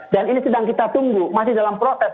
dan ini sedang kita tunggu masih dalam proses